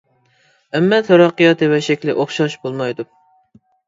ئەمما تەرەققىياتى ۋە شەكلى ئوخشاش بولمايدۇ.